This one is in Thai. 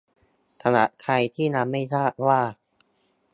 สำหรับใครที่ยังไม่ทราบว่า